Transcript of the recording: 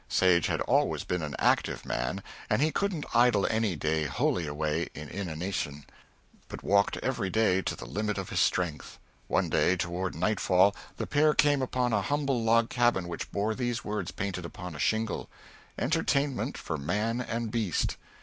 Sage had always been an active man, and he couldn't idle any day wholly away in inanition, but walked every day to the limit of his strength. One day, toward nightfall, the pair came upon a humble log cabin which bore these words painted upon a shingle: "Entertainment for Man and Beast."